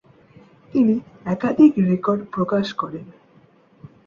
তিনি একাধিক রেকর্ড প্রকাশ করেন।